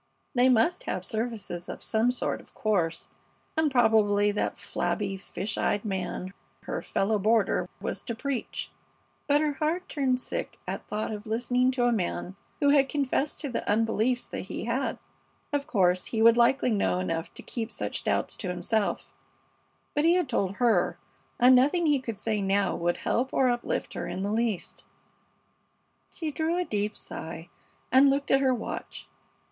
They must have services of some sort, of course, and probably that flabby, fish eyed man, her fellow boarder, was to preach; but her heart turned sick at thought of listening to a man who had confessed to the unbeliefs that he had. Of course, he would likely know enough to keep such doubts to himself; but he had told her, and nothing he could say now would help or uplift her in the least. She drew a deep sigh and looked at her watch.